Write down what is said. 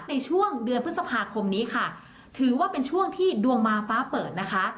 ในช่วงเดือนพฤษภาคมนี้ค่ะถือว่าเป็นช่วงที่ดวงมาฟ้าเปิดนะคะ